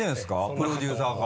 プロデューサーが？